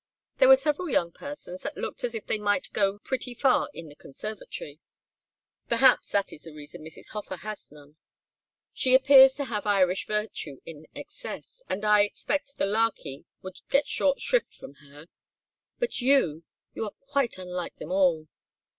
There were several young persons that looked as if they might go pretty far in a conservatory perhaps that is the reason Mrs. Hofer has none. She appears to have Irish virtue in excess, and I expect the larky would get short shrift from her. But you you are quite unlike them all."